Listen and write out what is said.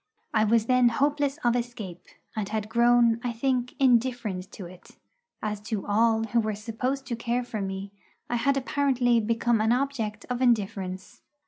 I was then hopeless of escape, and had grown, I think, indifferent to it, as to all who were supposed to care for me I had apparently become an object of indifference.